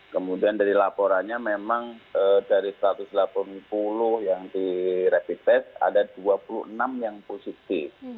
kemudian dari laporannya memang dari satu ratus delapan puluh yang di rapid test ada dua puluh enam yang positif